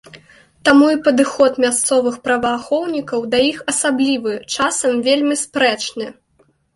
Таму і падыход мясцовых праваахоўнікаў да іх асаблівы, часам, вельмі спрэчны.